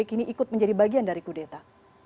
kini ikut menjadi bagian dari kudeta